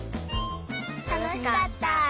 たのしかった。